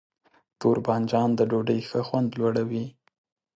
تور بانجان د ډوډۍ ښه خوند لوړوي.